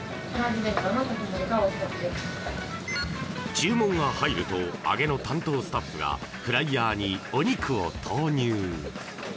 注文が入ると揚げの担当スタッフがフライヤーに、お肉を投入。